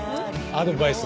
アドバイス。